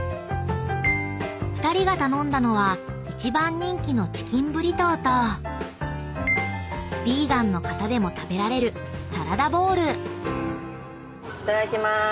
［２人が頼んだのは一番人気のチキンブリトーとビーガンの方でも食べられるサラダボウル］